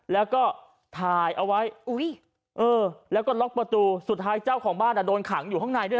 แล้วก็ถ่ายเอาไว้แล้วก็ล็อกประตูสุดท้ายเจ้าของบ้านโดนขังอยู่ข้างในด้วย